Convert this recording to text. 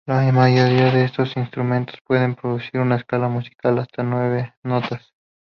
La mayoría de estos instrumentos pueden producir una escala musical de hasta nueve notas.